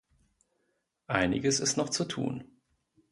Einiges ist noch zu tun.